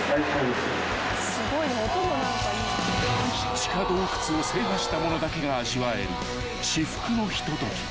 ［地下洞窟を制覇した者だけが味わえる至福のひととき］